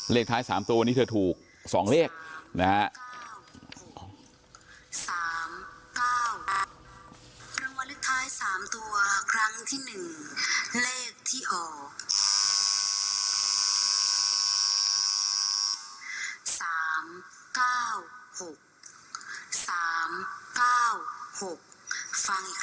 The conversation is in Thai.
เลขท้ายสามตัววันนี้เธอถูกสองเลขนะฮะ